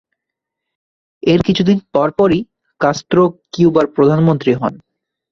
এর কিছুদিন পরই পর কাস্ত্রো কিউবার প্রধানমন্ত্রী হন।